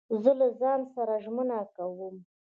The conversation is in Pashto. زه له ځان سره ژمنه کوم.